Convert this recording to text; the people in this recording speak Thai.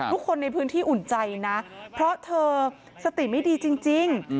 ทุกคนในพื้นที่อุ่นใจนะเพราะเธอสติไม่ดีจริง